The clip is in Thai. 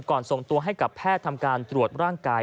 ส่งตัวให้กับแพทย์ทำการตรวจร่างกาย